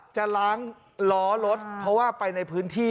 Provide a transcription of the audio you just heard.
จะล้างล้อรถเพราะว่าไปในพื้นที่